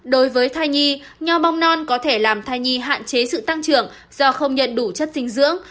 đối với thai nhi nho bong non có thể làm thai nhi hạn chế sự tăng trưởng do không nhận đủ chất dinh dưỡng